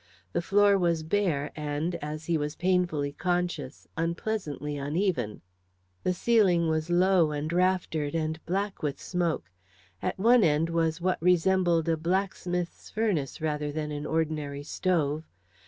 The floor was bare, and, as he was painfully conscious, unpleasantly uneven. The ceiling was low and raftered, and black with smoke. At one end was what resembled a blacksmith's furnace rather than an ordinary stove.